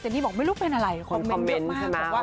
เจนี่บอกไม่รู้เป็นอะไรคอมเม้นต์มาก